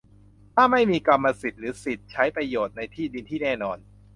ถ้าไม่มีกรรมสิทธิ์หรือสิทธิ์ใช้ประโยชน์ในที่ดินที่แน่นอน